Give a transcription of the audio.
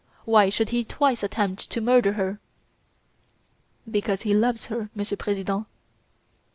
Why should he twice attempt to murder her?" "Because he loves her, Monsieur President."